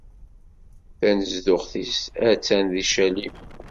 Tanezduɣt-is a-tt-an di Calim.